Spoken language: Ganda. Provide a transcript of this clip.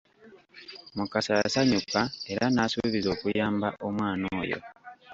Mukasa yasanyuka era n'asuubiza okuyamba omwana oyo.